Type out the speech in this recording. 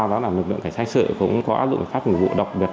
đó là lực lượng cảnh sử cũng có áp dụng pháp nhu vụ đặc biệt